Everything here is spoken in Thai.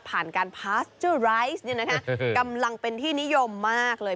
ผ่านการพาสเจอร์ไรซ์กำลังเป็นที่นิยมมากเลย